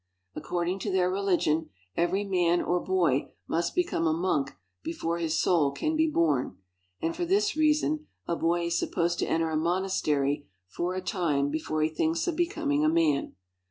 According to their religion, every man or boy must become a monk before his soul can be born, and for this reason a boy is supposed to enter a monastery for a time be fore he thinks of becoming a man.